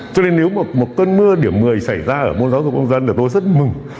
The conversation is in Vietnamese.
cho nên nếu một tuần mưa điểm một mươi xảy ra ở môn giáo dục công dân tôi rất mừng